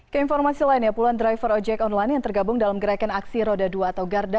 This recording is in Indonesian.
keinformasi lainnya puluhan driver ojek online yang tergabung dalam gerakan aksi roda dua atau garda